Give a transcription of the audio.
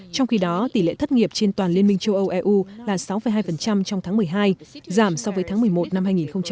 trong khi đó tỷ lệ thất nghiệp trên toàn liên minh châu âu eu là sáu hai trong tháng một mươi hai giảm so với tháng một mươi một năm hai nghìn một mươi chín